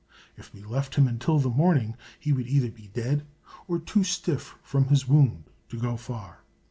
If we left him until the morning, he would be either dead or too stiff from his wound to go far.